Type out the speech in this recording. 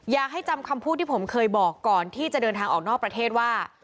อยากให้จำคำพูดที่ผมเคยบอกก่อนที่จะเดินทางออกนอกประเทศว่า